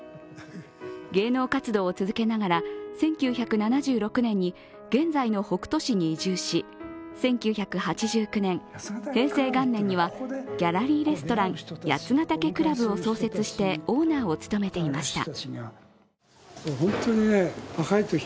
芸能活動を続けながら、１９７６年に現在の北杜市に移住し１９８９年、平成元年にはギャラリー・レストラン八ヶ岳倶楽部を創設してオーナーを務めていました。